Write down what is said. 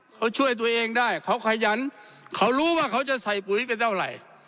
เขาช่วยตัวเองได้เขาขยันเขารู้ว่าเขาจะใส่ปุ๋ยไปเท่าไหร่